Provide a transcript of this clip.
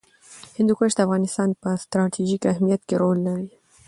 هندوکش د افغانستان په ستراتیژیک اهمیت کې رول لري.